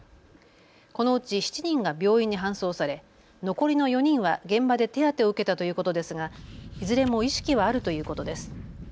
このうち７人が病院に搬送され残りの４人は現場で手当てを受けたということですがいずれも意識はあるということです。